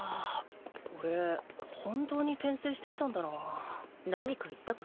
俺本当に転生してきたんだなあ何か言ったか？